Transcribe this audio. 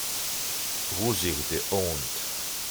Rougir de honte.